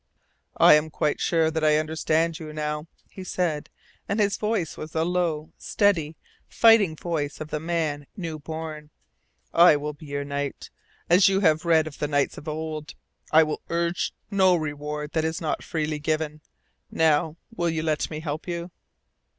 "I am quite sure that I understand you now," he said, and his voice was the low, steady, fighting voice of the man new born. "I will be your knight, as you have read of the knights of old. I will urge no reward that is not freely given. Now will you let me help you?"